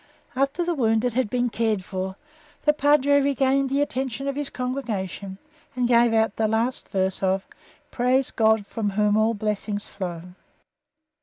After the wounded had been cared for, the Padre regained the attention of his congregation and gave out the last verse of "Praise God from Whom all blessings flow."